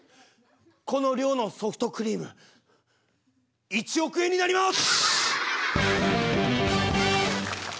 この量のソフトクリーム１億円になります！